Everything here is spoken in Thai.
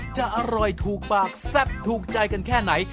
จะอร่อยถูกปากแซ่บถูกใจกันแค่ไหน